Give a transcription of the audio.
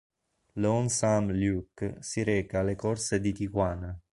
Lonesome Luke si reca alle corse di Tijuana.